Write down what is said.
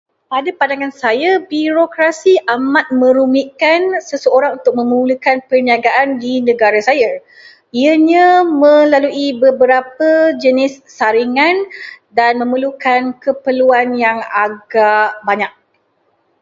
Pada pandangan saya, birokrasi amat merumitkan seseorang untuk memulakan perniagaan di negara saya. Ianya melalui beberapa jenis saringan dan memerlukan keperluan yang agak banyak.